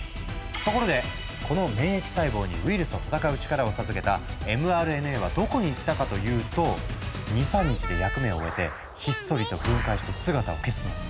ところでこの免疫細胞にウイルスと戦う力を授けたｍＲＮＡはどこに行ったかというと２３日で役目を終えてひっそりと分解して姿を消すの。